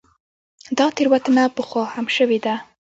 دا تېروتنه پخوا هم شوې ده.